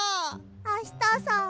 あしたさん